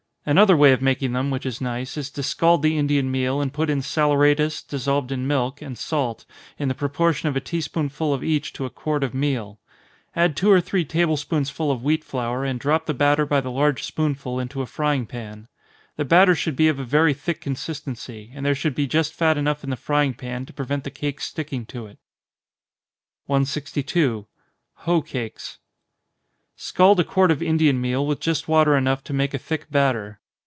Another way of making them, which is nice, is to scald the Indian meal, and put in saleratus, dissolved in milk and salt, in the proportion of a tea spoonful of each to a quart of meal. Add two or three table spoonsful of wheat flour, and drop the batter by the large spoonful into a frying pan. The batter should be of a very thick consistency, and there should be just fat enough in the frying pan to prevent the cakes sticking to it. 162. Hoe Cakes. Scald a quart of Indian meal with just water enough to make a thick batter.